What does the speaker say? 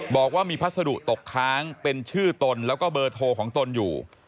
บอกว่ามีพัสดุตกค้างเป็นชื่อตนแล้วก็เบอร์โทรของตนอยู่